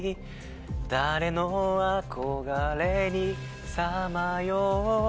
誰のあこがれにさまよう